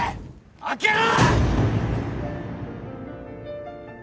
開けろ！